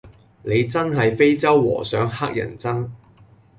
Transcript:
你真係非洲和尚乞人憎